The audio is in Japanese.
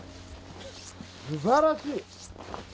すばらしい！